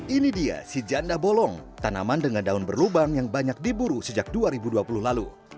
ini dia si janda bolong tanaman dengan daun berlubang yang banyak diburu sejak dua ribu dua puluh lalu